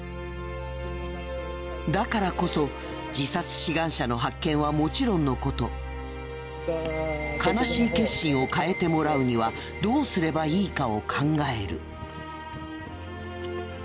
だからこそ自殺志願者の発見はもちろんのこと悲しい決心を変えてもらうにはどうすればいいかを考える。